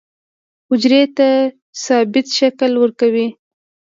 حجرې ته ثابت شکل ورکوي.